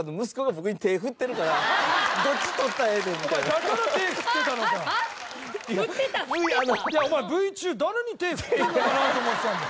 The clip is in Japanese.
Ｖ中誰に手振ってるのかなと思ってたんだよ。